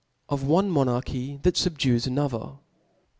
Of one Monarchy thatjubdues ahottier.